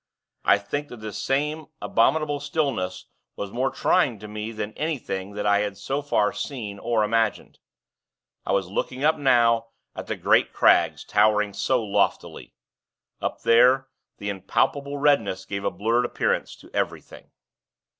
I think that this same abominable stillness was more trying to me than anything that I had so far seen or imagined. I was looking up, now, at the great crags, towering so loftily. Up there, the impalpable redness gave a blurred appearance to everything.